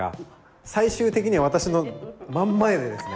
最終的には私の真ん前でですね。